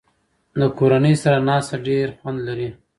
د کورنۍ سره ناسته ډېر خوند لري.